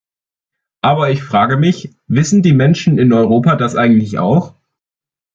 Aber ich frage mich, wissen die Menschen in Europa das eigentlich auch?